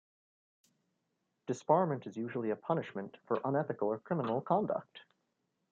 Disbarment is usually a punishment for unethical or criminal conduct.